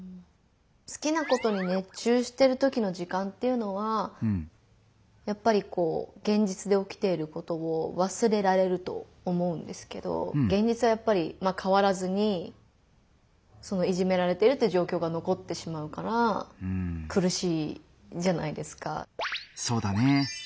好きなことに熱中してるときの時間っていうのはやっぱりこう現実でおきていることを忘れられると思うんですけど現実はやっぱりまあ変わらずにそのいじめられてるっていう状況がのこってしまうからくるしいじゃないですか。